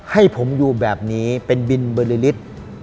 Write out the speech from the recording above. ให้ผมอยู่แบบนี้เป็นบินบริฤทธิ์